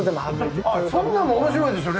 そんなんも面白いですよね。